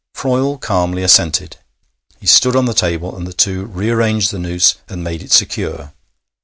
Froyle calmly assented. He stood on the table, and the two rearranged the noose and made it secure.